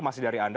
masih belum ada